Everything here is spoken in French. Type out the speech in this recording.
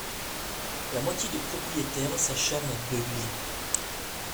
La moitié des propriétaires s'acharnent à beugler.